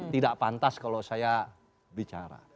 tidak pantas kalau saya bicara